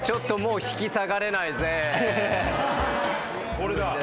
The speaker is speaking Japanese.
これだ。